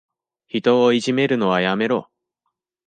人をいじめるのはやめろ。